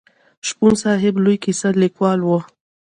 شپون صاحب لوی کیسه لیکوال و.